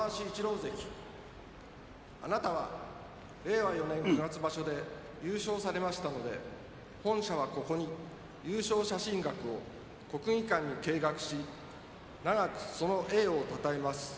関あなたは令和４年九月場所で優勝されましたので本社は、ここに優勝写真額を国技館に掲額し永くその栄誉をたたえます。